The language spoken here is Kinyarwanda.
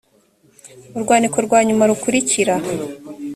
urwandiko rwa nyuma rukurikira